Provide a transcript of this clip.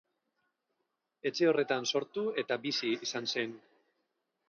Etxe horretan sortu eta bizi izan zen.